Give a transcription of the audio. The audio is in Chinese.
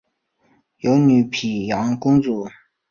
有女沘阳公主。